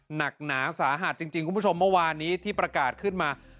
หนักหนาสาหัสจริงจริงคุณผู้ชมที่ประกาศขึ้นมา